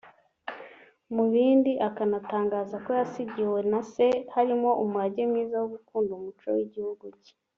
Mu bindi Akana atangaza ko yasigiwe na se harimo umurage mwiza wo gukunda umuco w’igihugu cye